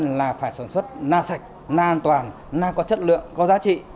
trước tiên là phải sản xuất na sạch na an toàn na có chất lượng có giá trị